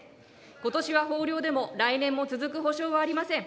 ことしは豊漁でも来年も続く保障はありません。